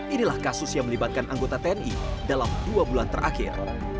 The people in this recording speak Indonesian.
inilah kasus yang melibatkan anggota tni dalam dua bulan terakhir